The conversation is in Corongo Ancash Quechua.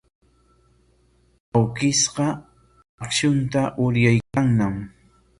Awkishqa akshunta uryaykanñam.